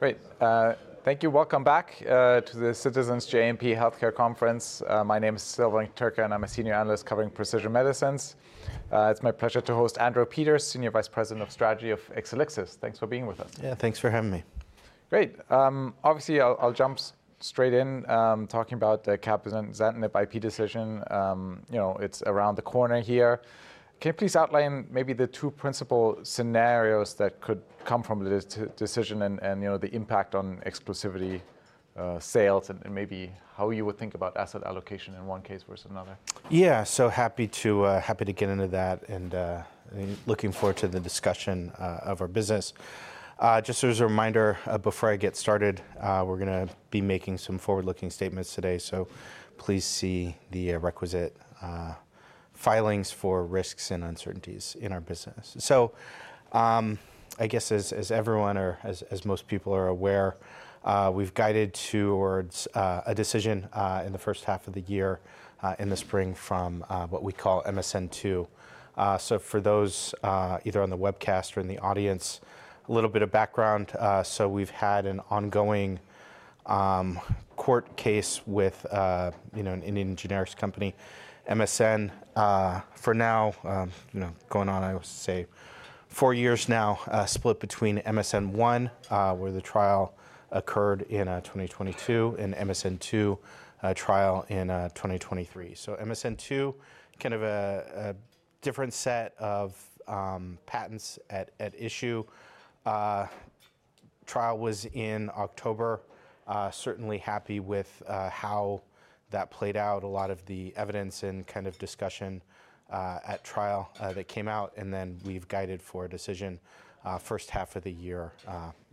Great. Thank you. Welcome back to the Citizens JMP Healthcare Conference. My name is Silvan Tuerkcan, and I'm a senior analyst covering precision medicines. It's my pleasure to host Andrew Peters, Senior Vice President of Strategy of Exelixis. Thanks for being with us. Yeah, thanks for having me. Great. Obviously, I'll jump straight in, talking about the cabozantinib and zanzalintinib IP decision. You know, it's around the corner here. Can you please outline maybe the two principal scenarios that could come from the decision and, you know, the impact on exclusivity, sales, and maybe how you would think about asset allocation in one case versus another? Yeah, so happy to get into that and looking forward to the discussion of our business. Just as a reminder, before I get started, we're going to be making some forward-looking statements today, so please see the requisite filings for risks and uncertainties in our business. So, I guess as everyone or as most people are aware, we've guided towards a decision in the first half of the year, in the spring from what we call MSN2. So for those either on the webcast or in the audience, a little bit of background. So we've had an ongoing court case with, you know, an Indian generics company, MSN Pharma, you know, going on, I would say, four years now, split between MSN1, where the trial occurred in 2022, and MSN2, trial in 2023. So MSN2, kind of a different set of patents at issue. Trial was in October. Certainly happy with how that played out, a lot of the evidence and kind of discussion at trial that came out, and then we've guided for a decision first half of the year,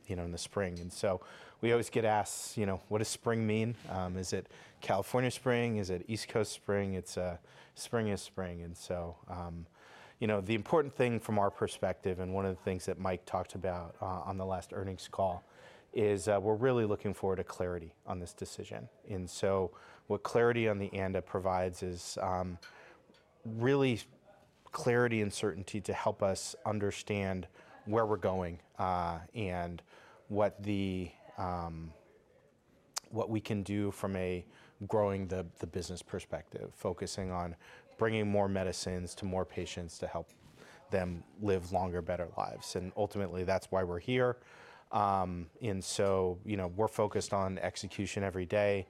you know, in the spring. And so we always get asked, you know, what does spring mean? Is it California spring? Is it East Coast spring? It's spring is spring. And so, you know, the important thing from our perspective, and one of the things that Mike talked about on the last earnings call, is we're really looking forward to clarity on this decision. So what clarity on the ANDA provides is really clarity and certainty to help us understand where we're going, and what we can do from a growing the business perspective, focusing on bringing more medicines to more patients to help them live longer, better lives. Ultimately, that's why we're here. So, you know, we're focused on execution every day,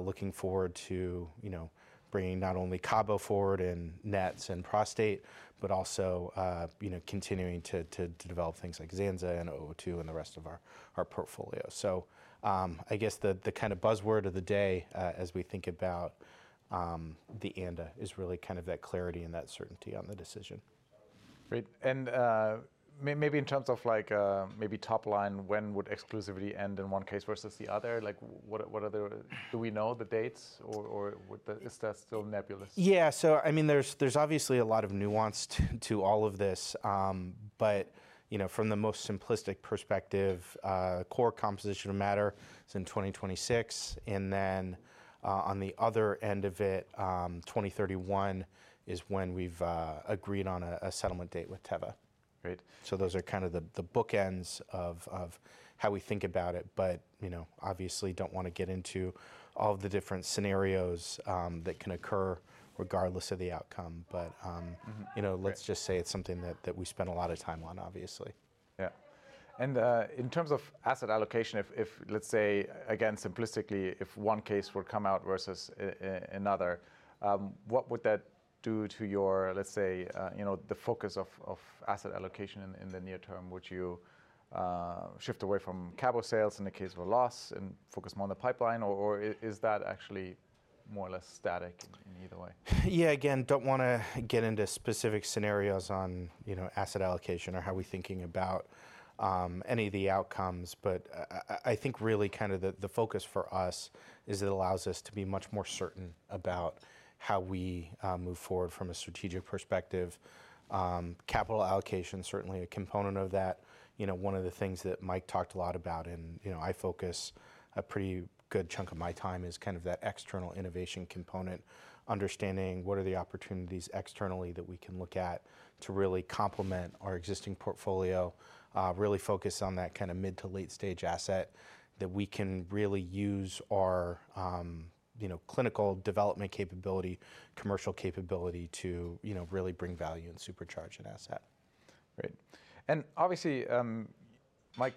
looking forward to, you know, bringing not only Cabo forward and NETs and prostate, but also, you know, continuing to develop things like Zanza and XB002 and the rest of our portfolio. So, I guess the kind of buzzword of the day, as we think about the ANDA, is really kind of that clarity and that certainty on the decision. Great. And maybe in terms of, like, maybe top line, when would exclusivity end in one case versus the other? Like, what do we know the dates or is that still nebulous? Yeah, so, I mean, there's obviously a lot of nuance to all of this. But, you know, from the most simplistic perspective, core composition of matter is in 2026. And then, on the other end of it, 2031 is when we've agreed on a settlement date with Teva. Great. So those are kind of the bookends of how we think about it. But, you know, obviously don't want to get into all of the different scenarios that can occur regardless of the outcome. But, you know, let's just say it's something that we spend a lot of time on, obviously. Yeah. And, in terms of asset allocation, if, let's say, again, simplistically, if one case were to come out versus another, what would that do to your, let's say, you know, the focus of asset allocation in the near term? Would you shift away from Cabo sales in the case of a loss and focus more on the pipeline? Or is that actually more or less static in either way? Yeah, again, don't want to get into specific scenarios on, you know, asset allocation or how we're thinking about, any of the outcomes. But I think really kind of the focus for us is it allows us to be much more certain about how we move forward from a strategic perspective. Capital allocation, certainly a component of that. You know, one of the things that Mike talked a lot about in, you know, I focus a pretty good chunk of my time is kind of that external innovation component, understanding what are the opportunities externally that we can look at to really complement our existing portfolio, really focus on that kind of mid to late stage asset that we can really use our, you know, clinical development capability, commercial capability to, you know, really bring value and supercharge an asset. Great. And obviously, Mike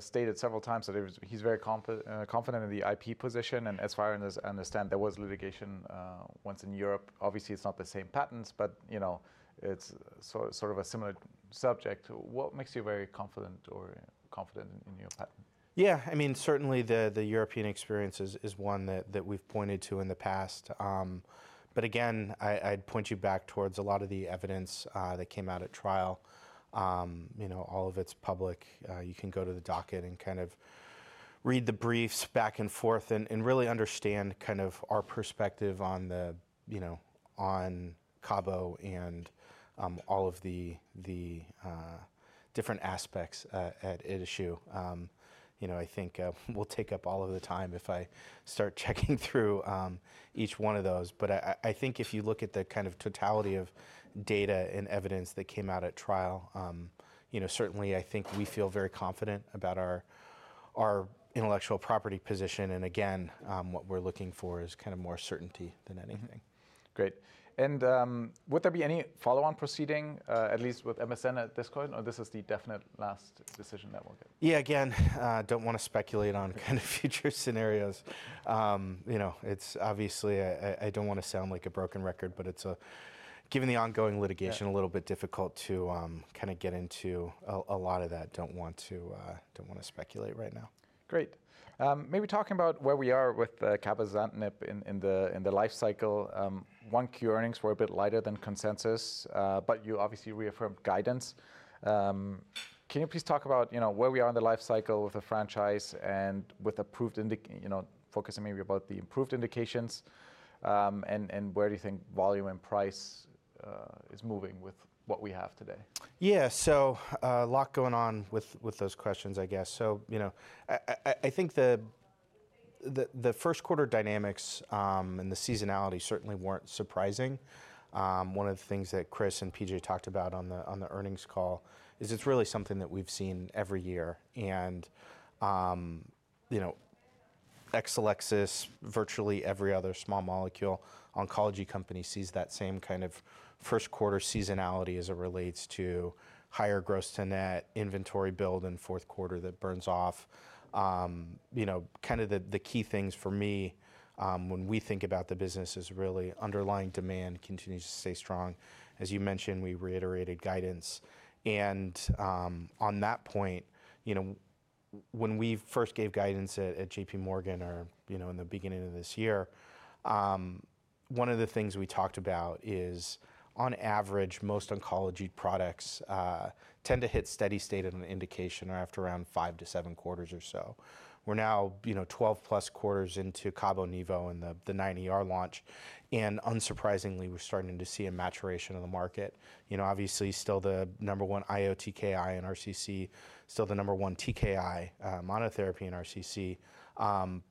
stated several times that he was very confident in the IP position. And as far as I understand, there was litigation once in Europe. Obviously, it's not the same patents, but, you know, it's so sort of a similar subject. What makes you very confident or confident in your patent? Yeah, I mean, certainly the European experience is one that we've pointed to in the past. But again, I'd point you back towards a lot of the evidence that came out at trial. You know, all of it's public. You can go to the docket and kind of read the briefs back and forth and really understand kind of our perspective on the, you know, on Cabo and all of the different aspects at issue. You know, I think we'll take up all of the time if I start checking through each one of those. But I think if you look at the kind of totality of data and evidence that came out at trial, you know, certainly I think we feel very confident about our intellectual property position. Again, what we're looking for is kind of more certainty than anything. Great. Would there be any follow-on proceeding, at least with MSN at this point, or this is the definite last decision that we'll get? Yeah, again, don't want to speculate on kind of future scenarios. You know, it's obviously I don't want to sound like a broken record, but it's a given the ongoing litigation, a little bit difficult to kind of get into a lot of that. Don't want to, don't want to speculate right now. Great. Maybe talking about where we are with the cabozantinib in the lifecycle. Q1 earnings were a bit lighter than consensus, but you obviously reaffirmed guidance. Can you please talk about, you know, where we are in the lifecycle with the franchise and with approved indications, you know, focusing maybe about the improved indications, and where do you think volume and price is moving with what we have today? Yeah, so a lot going on with those questions, I guess. So, you know, I think the first-quarter dynamics and the seasonality certainly weren't surprising. One of the things that Chris and P.J. talked about on the earnings call is it's really something that we've seen every year. And, you know, Exelixis, virtually every other small molecule oncology company sees that same kind of first-quarter seasonality as it relates to higher gross-to-net inventory build in fourth quarter that burns off. You know, kind of the key things for me, when we think about the business, is really underlying demand continues to stay strong. As you mentioned, we reiterated guidance. On that point, you know, when we first gave guidance at, at JPMorgan or, you know, in the beginning of this year, one of the things we talked about is on average, most oncology products, tend to hit steady state in an indication or after around 5-7 quarters or so. We're now, you know, 12+ quarters into Cabo/Nivo and the, the 9ER launch. And unsurprisingly, we're starting to see a maturation of the market. You know, obviously still the number one IO/TKI in RCC, still the number one TKI, monotherapy in RCC.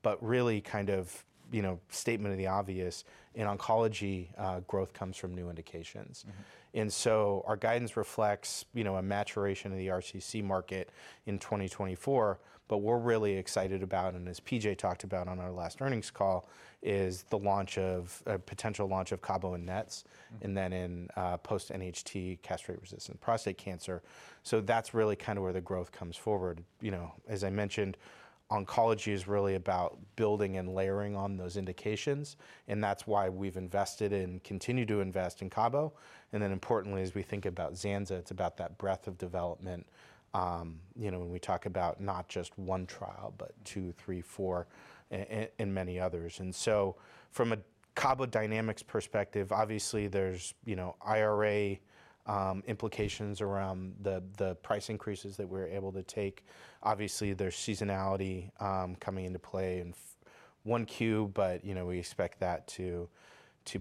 But really kind of, you know, statement of the obvious in oncology, growth comes from new indications. And so our guidance reflects, you know, a maturation of the RCC market in 2024. But we're really excited about, and as P.J. talked about on our last earnings call, is the launch of a potential launch of Cabo in NETs and then in, post-NHT castrate-resistant prostate cancer. So that's really kind of where the growth comes forward. You know, as I mentioned, oncology is really about building and layering on those indications. And that's why we've invested in continue to invest in Cabo. And then importantly, as we think about Zanza, it's about that breadth of development. You know, when we talk about not just one trial, but two, three, four, and, and, and many others. And so from a Cabo dynamics perspective, obviously there's, you know, IRA implications around the, the price increases that we're able to take. Obviously, there's seasonality, coming into play in Q1, but, you know, we expect that to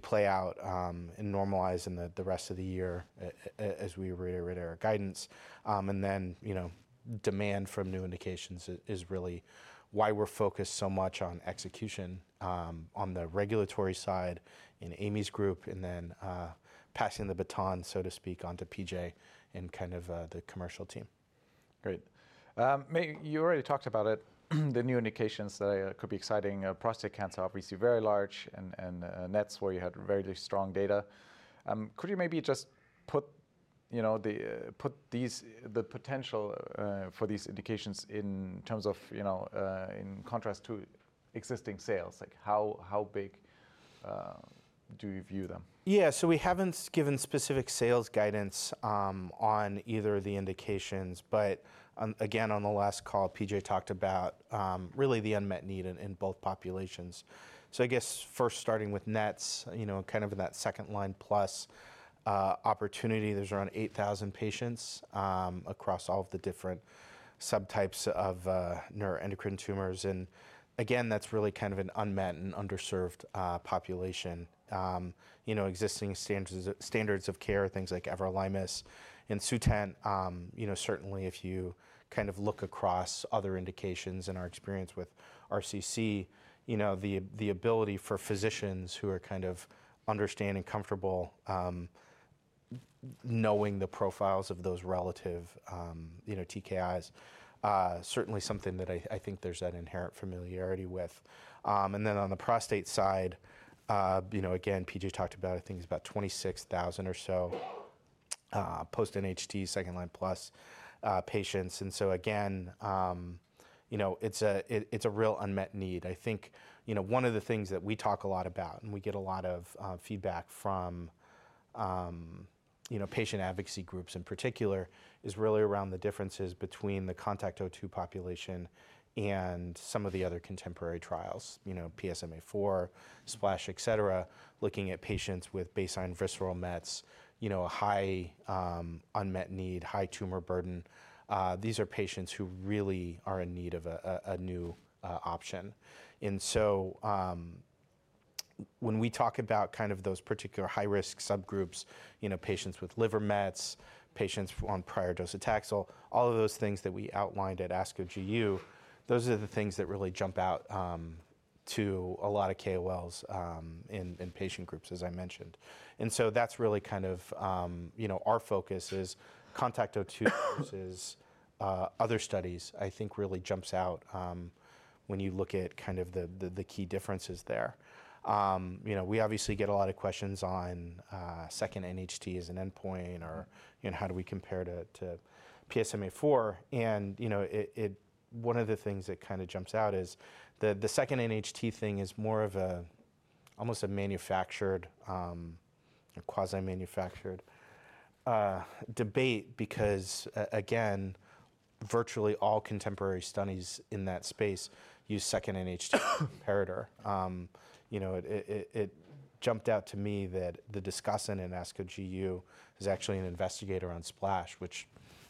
play out, and normalize in the rest of the year as we reiterate our guidance. Then, you know, demand from new indications is really why we're focused so much on execution, on the regulatory side in Amy's group and then, passing the baton, so to speak, onto P.J. and kind of, the commercial team. Great. You already talked about it, the new indications that could be exciting. Prostate cancer, obviously very large, and NETs where you had very strong data. Could you maybe just put, you know, the potential for these indications in terms of, you know, in contrast to existing sales, like how big do you view them? Yeah, so we haven't given specific sales guidance on either of the indications. But again, on the last call, P.J. talked about really the unmet need in both populations. So I guess first starting with NETs, you know, kind of in that second-line plus opportunity, there's around 8,000 patients across all of the different subtypes of neuroendocrine tumors. And again, that's really kind of an unmet and underserved population. You know, existing standards of care, things like everolimus and Sutent. You know, certainly if you kind of look across other indications and our experience with RCC, you know, the ability for physicians who are kind of understanding, comfortable, knowing the profiles of those relative, you know, TKIs, certainly something that I think there's that inherent familiarity with. And then on the prostate side, you know, again, P.J. talked about, I think it's about 26,000 or so, post-NHT second-line plus, patients. And so again, you know, it's a real unmet need. I think, you know, one of the things that we talk a lot about and we get a lot of feedback from, you know, patient advocacy groups in particular is really around the differences between the CONTACT-02 population and some of the other contemporary trials, you know, PSMAfore, etc., looking at patients with baseline visceral mets, you know, a high unmet need, high tumor burden. These are patients who really are in need of a new option. And so, when we talk about kind of those particular high-risk subgroups, you know, patients with liver mets, patients on prior dose of Taxol, all of those things that we outlined at ASCO-GU, those are the things that really jump out, to a lot of KOLs, in patient groups, as I mentioned. And so that's really kind of, you know, our focus is CONTACT-02 versus other studies, I think really jumps out, when you look at kind of the key differences there. You know, we obviously get a lot of questions on second NHT as an endpoint or, you know, how do we compare to PSMAfore? You know, one of the things that kind of jumps out is the second NHT thing is more of an almost manufactured, quasi-manufactured debate because, again, virtually all contemporary studies in that space use second NHT as a comparator. You know, it jumped out to me that the discussant in ASCO-GU is actually an investigator on SPLASH, which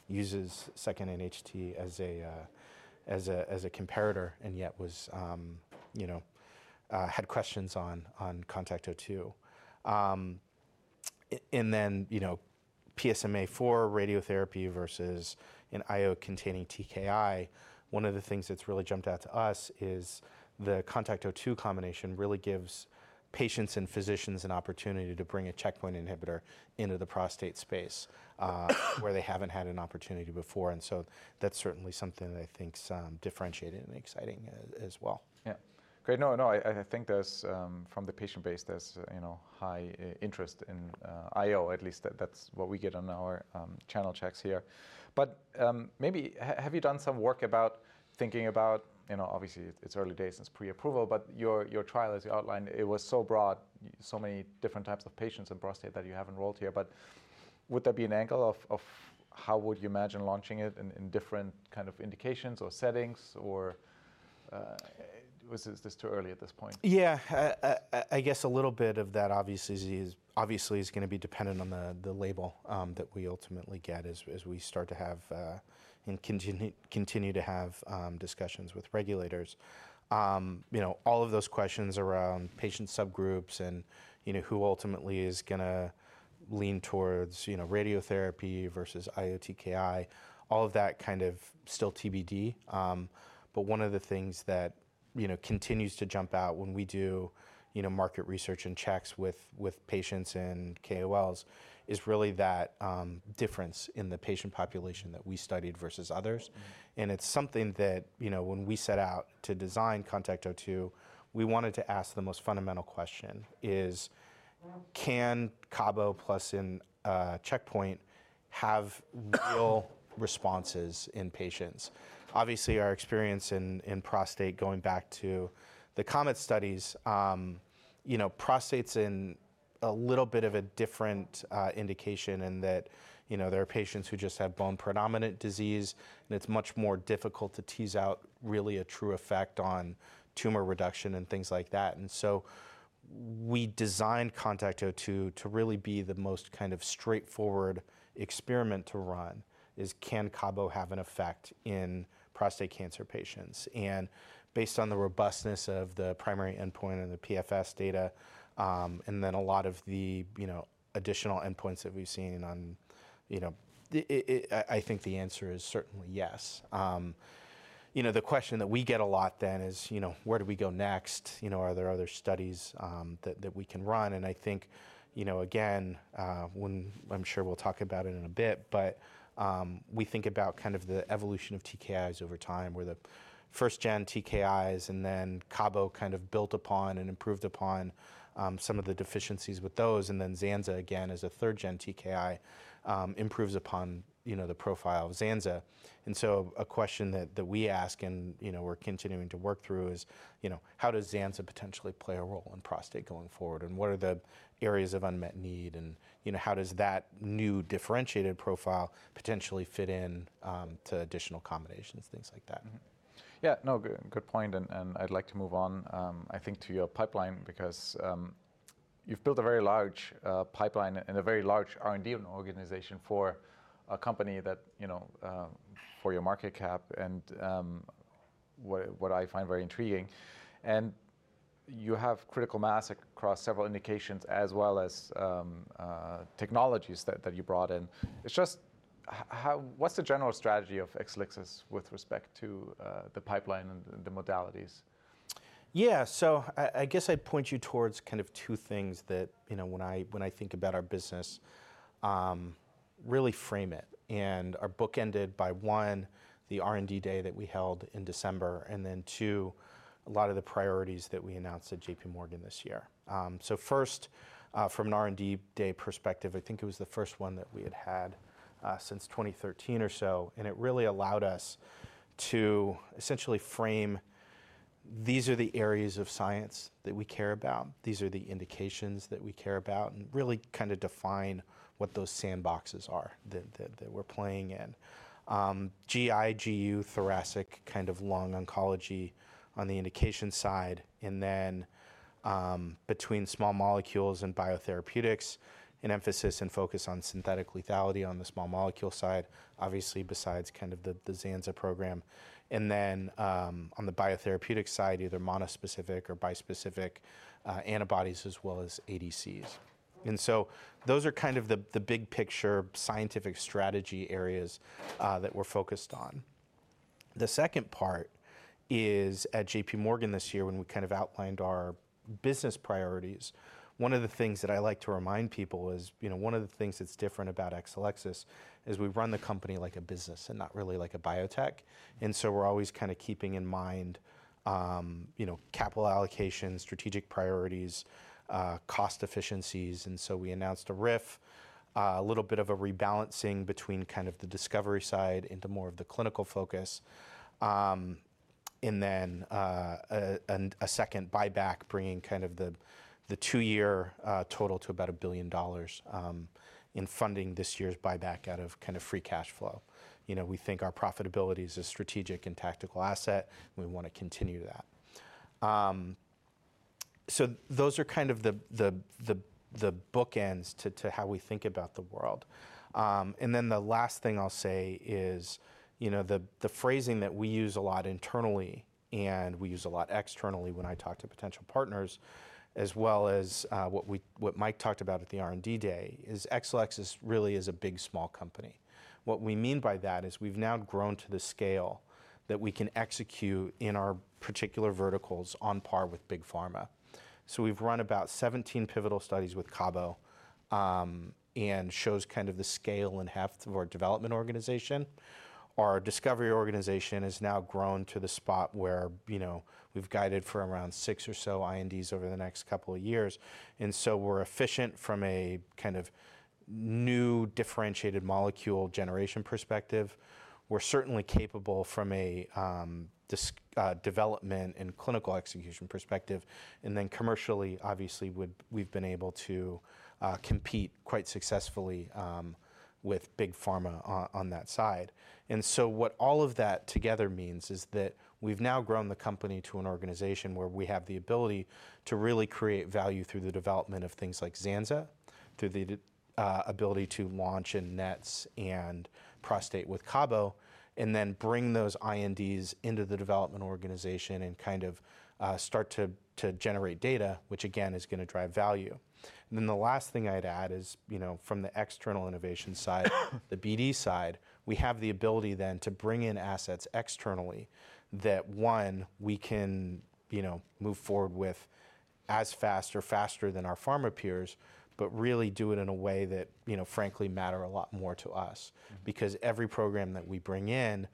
uses second NHT as a comparator and yet, you know, had questions on CONTACT-02. And then, you know, PSMAfore radiotherapy versus an IO containing TKI, one of the things that's really jumped out to us is the CONTACT-02 combination really gives patients and physicians an opportunity to bring a checkpoint inhibitor into the prostate space, where they haven't had an opportunity before. And so that's certainly something that I think's differentiating and exciting as well. Yeah, great. No, no, I think there's from the patient base, there's, you know, high interest in IO, at least that's what we get on our channel checks here. But maybe have you done some work about thinking about, you know, obviously it's early days since pre-approval, but your trial, as you outlined, it was so broad, so many different types of patients and prostate that you have enrolled here. But would there be an angle of how would you imagine launching it in different kind of indications or settings, or was this too early at this point? Yeah, I guess a little bit of that obviously is going to be dependent on the label that we ultimately get as we start to have, and continue to have, discussions with regulators. You know, all of those questions around patient subgroups and, you know, who ultimately is going to lean towards, you know, radiotherapy versus IO TKI, all of that kind of still TBD. But one of the things that, you know, continues to jump out when we do, you know, market research and checks with patients and KOLs is really that difference in the patient population that we studied versus others. And it's something that, you know, when we set out to design CONTACT-02, we wanted to ask the most fundamental question is, can Cabo plus an IO checkpoint have real responses in patients? Obviously, our experience in prostate, going back to the COMET studies, you know, prostate's in a little bit of a different indication in that, you know, there are patients who just have bone-predominant disease and it's much more difficult to tease out really a true effect on tumor reduction and things like that. And so we designed CONTACT-02 to really be the most kind of straightforward experiment to run is, can Cabo have an effect in prostate cancer patients? And based on the robustness of the primary endpoint and the PFS data, and then a lot of the, you know, additional endpoints that we've seen on, you know, it I think the answer is certainly yes. You know, the question that we get a lot then is, you know, where do we go next? You know, are there other studies that we can run? And I think, you know, again, when I'm sure we'll talk about it in a bit, but we think about kind of the evolution of TKIs over time where the first-gen TKIs and then Cabo kind of built upon and improved upon some of the deficiencies with those. And then Zanza, again, as a third-gen TKI, improves upon, you know, the profile of Zanza. And so a question that, that we ask and, you know, we're continuing to work through is, you know, how does Zanza potentially play a role in prostate going forward and what are the areas of unmet need? And, you know, how does that new differentiated profile potentially fit in to additional combinations, things like that? Yeah, no, good, good point. And, and I'd like to move on, I think, to your pipeline because you've built a very large pipeline and a very large R&D organization for a company that, you know, for your market cap and what I find very intriguing. And you have critical mass across several indications as well as technologies that you brought in. It's just how what's the general strategy of Exelixis with respect to the pipeline and the modalities? Yeah, so I, I guess I'd point you towards kind of 2 things that, you know, when I when I think about our business, really frame it. Our bookended by 1, the R&D Day that we held in December, and then 2, a lot of the priorities that we announced at JPMorgan this year. So first, from an R&D Day perspective, I think it was the first one that we had had, since 2013 or so. It really allowed us to essentially frame, these are the areas of science that we care about. These are the indications that we care about and really kind of define what those sandboxes are that, that, that we're playing in. GI, GU, thoracic kind of lung oncology on the indication side. And then, between small molecules and biotherapeutics, an emphasis and focus on synthetic lethality on the small molecule side, obviously besides kind of the Zanza program. And then, on the biotherapeutic side, either monospecific or bispecific, antibodies as well as ADCs. And so those are kind of the big picture scientific strategy areas that we're focused on. The second part is at JPMorgan this year when we kind of outlined our business priorities, one of the things that I like to remind people is, you know, one of the things that's different about Exelixis is we run the company like a business and not really like a biotech. And so we're always kind of keeping in mind, you know, capital allocations, strategic priorities, cost efficiencies. And so we announced a RIF, a little bit of a rebalancing between kind of the discovery side into more of the clinical focus. And then a second buyback bringing kind of the two-year total to about $1 billion, in funding this year's buyback out of kind of free cash flow. You know, we think our profitability is a strategic and tactical asset. We want to continue that. So those are kind of the bookends to how we think about the world. And then the last thing I'll say is, you know, the phrasing that we use a lot internally and we use a lot externally when I talk to potential partners as well as what Mike talked about at the R&D Day is Exelixis really is a big small company. What we mean by that is we've now grown to the scale that we can execute in our particular verticals on par with big pharma. So we've run about 17 pivotal studies with Cabo, and shows kind of the scale and heft of our development organization. Our discovery organization has now grown to the spot where, you know, we've guided for around six or so INDs over the next couple of years. And so we're efficient from a kind of new differentiated molecule generation perspective. We're certainly capable from a discovery development and clinical execution perspective. And then commercially, obviously, we've been able to compete quite successfully with big pharma on that side. And so what all of that together means is that we've now grown the company to an organization where we have the ability to really create value through the development of things like Zanza, through the ability to launch in NETs and prostate with Cabo, and then bring those INDs into the development organization and kind of start to generate data, which again is going to drive value. And then the last thing I'd add is, you know, from the external innovation side, the BD side, we have the ability then to bring in assets externally that, one, we can, you know, move forward with as fast or faster than our pharma peers, but really do it in a way that, you know, frankly, matter a lot more to us because every program that we bring in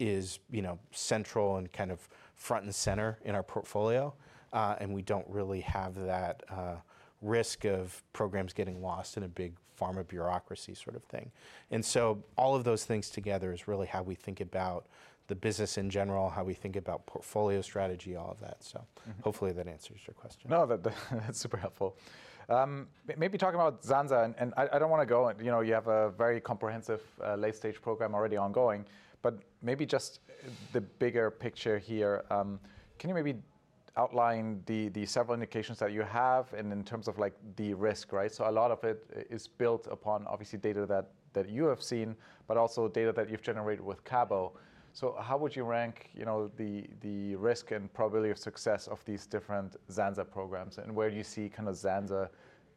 is, you know, central and kind of front and center in our portfolio. And we don't really have that risk of programs getting lost in a big pharma bureaucracy sort of thing. And so all of those things together is really how we think about the business in general, how we think about portfolio strategy, all of that. So hopefully that answers your question. No, that's super helpful. Maybe talking about Zanza, and I don't want to go on. You know, you have a very comprehensive, late-stage program already ongoing, but maybe just the bigger picture here. Can you maybe outline the several indications that you have and in terms of like the risk, right? So a lot of it is built upon, obviously, data that you have seen, but also data that you've generated with Cabo. So how would you rank, you know, the risk and probability of success of these different Zanza programs and where do you see kind of Zanza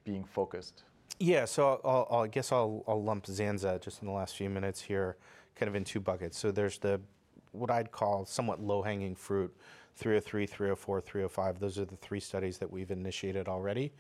being focused? Yeah, so I'll guess I'll lump Zanza just in the last few minutes here kind of in two buckets. So there's the what I'd call somewhat low-hanging fruit, 303, 304, 305. Those are the three studies that we've initiated already.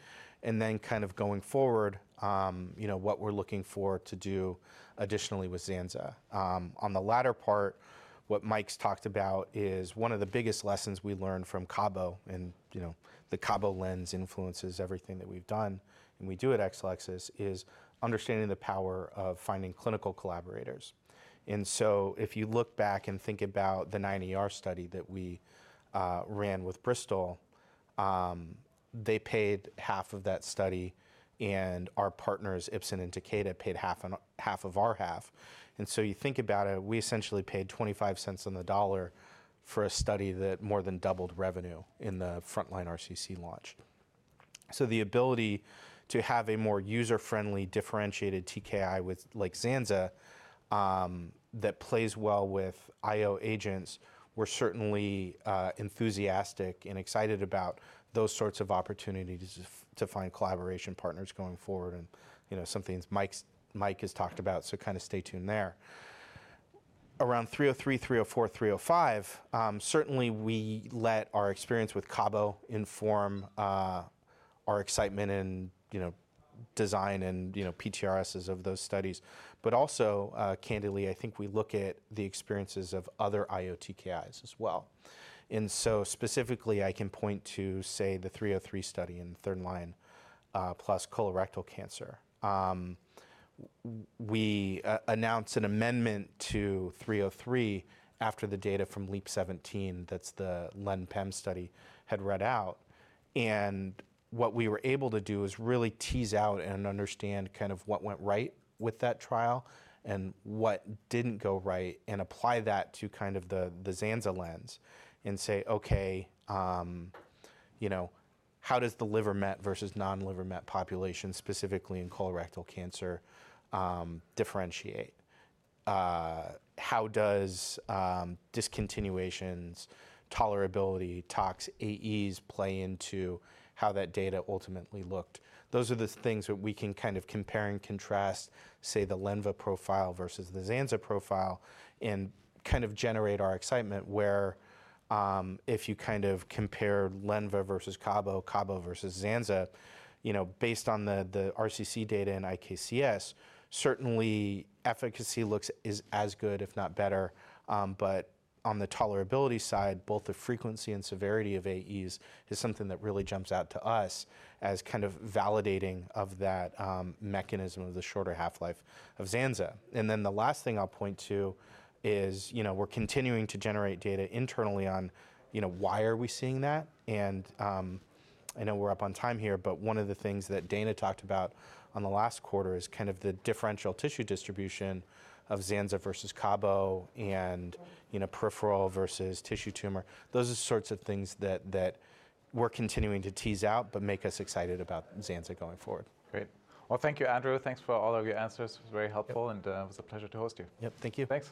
And then kind of going forward, you know, what we're looking for to do additionally with Zanza. On the latter part, what Mike's talked about is one of the biggest lessons we learned from Cabo and, you know, the Cabo lens influences everything that we've done. And we do at Exelixis is understanding the power of finding clinical collaborators. And so if you look back and think about the 9ER study that we ran with Bristol, they paid half of that study and our partners Ipsen and Takeda paid half and half of our half. And so you think about it, we essentially paid $0.25 on the dollar for a study that more than doubled revenue in the frontline RCC launch. So the ability to have a more user-friendly, differentiated TKI with like Zanza, that plays well with IO agents, we're certainly enthusiastic and excited about those sorts of opportunities to find collaboration partners going forward. And, you know, some things Mike has talked about, so kind of stay tuned there. Around 303, 304, 305, certainly we let our experience with Cabo inform our excitement and, you know, design and, you know, PTRSs of those studies. But also, candidly, I think we look at the experiences of other IO TKIs as well. And so specifically, I can point to, say, the 303 study in third-line plus colorectal cancer. We announced an amendment to 303 after the data from LEAP-017 that the LEN-PEM study had read out. And what we were able to do is really tease out and understand kind of what went right with that trial and what didn't go right and apply that to kind of the zanzalintinib and say, okay, you know, how does the liver met versus non-liver met population specifically in colorectal cancer, differentiate? How does discontinuations, tolerability, tox AEs play into how that data ultimately looked? Those are the things that we can kind of compare and contrast, say, the lenvatinib profile versus the zanzalintinib profile and kind of generate our excitement where, if you kind of compare lenvatinib versus cabozantinib, cabozantinib versus zanzalintinib, you know, based on the, the RCC data and IKCS, certainly efficacy looks is as good, if not better. But on the tolerability side, both the frequency and severity of AEs is something that really jumps out to us as kind of validating of that mechanism of the shorter half-life of Zanza. And then the last thing I'll point to is, you know, we're continuing to generate data internally on, you know, why are we seeing that? And I know we're up on time here, but one of the things that Dana talked about on the last quarter is kind of the differential tissue distribution of Zanza versus Cabo and, you know, peripheral versus tissue tumor. Those are sorts of things that, that we're continuing to tease out but make us excited about Zanza going forward. Great. Well, thank you, Andrew. Thanks for all of your answers. It was very helpful and it was a pleasure to host you. Yep, thank you. Thanks.